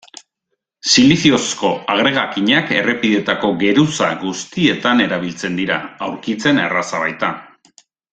Siliziozko agregakinak errepideetako geruza guztietan erabiltzen dira, aurkitzen erraza baita.